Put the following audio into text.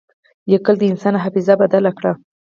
لیکل د انسان حافظه بدل کړه.